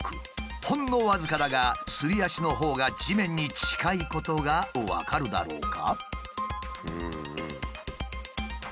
ほんの僅かだがすり足のほうが地面に近いことが分かるだろうか。